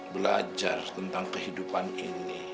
belajar tentang kehidupan ini